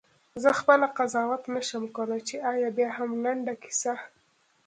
زه خپله قضاوت نه شم کولای چې آیا بیاهم لنډه کیسه؟ …